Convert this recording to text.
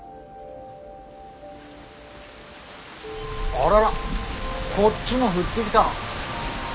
あららこっちも降ってきた。